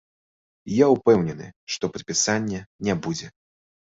Я ўпэўнены, што падпісання не будзе.